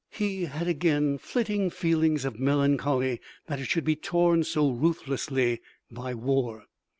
He had again flitting feelings of melancholy that it should be torn so ruthlessly by war.